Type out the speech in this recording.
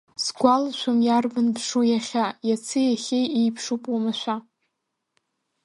Сгәалашәом иарбан мшу иахьа, Иаци иахьеи еиԥшуп уамашәа.